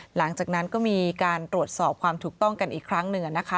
หลังจากนั้นก็มีการตรวจสอบความถูกต้องกันอีกครั้งหนึ่งนะคะ